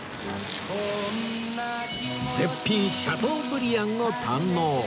絶品シャトーブリアンを堪能